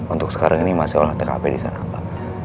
untuk sekarang ini masih olah tkp disana pak